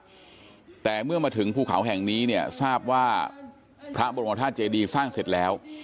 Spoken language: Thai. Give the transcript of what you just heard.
แต่เมื่อมาถึงภูเขาแห่งนี้เนี่ยทราบว่าพระบรมธาตุเจดีสร้างเสร็จแล้ว